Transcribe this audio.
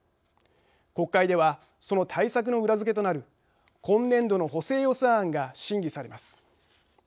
国会ではその対策の裏付けとなる今年度の補正予算案が審議されます。